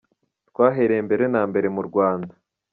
Twahereye mbere na mbere mu Rwanda.